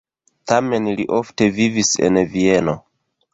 Tamen li ofte vivis en Vieno.